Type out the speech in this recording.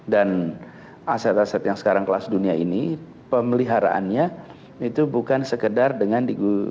dan aset aset yang sekarang kelas dunia ini pemeliharaannya itu bukan sekedar dengan